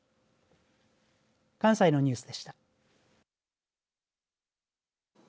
関西のニュースでした。